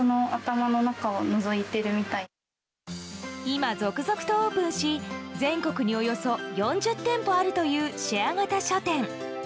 今続々とオープンし全国におよそ４０店舗あるというシェア型書店。